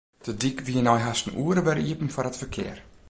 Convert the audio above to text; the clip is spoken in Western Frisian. De dyk wie nei hast in oere wer iepen foar it ferkear.